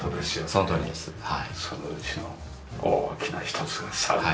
そのうちの大きな一つがサウナ。